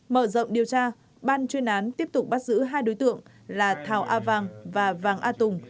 mở rộng điều tra ban chuyên án tiếp tục bắt giữ hai đối tượng là thảo a vàng và vàng a tùng